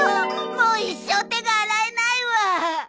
もう一生手が洗えないわ。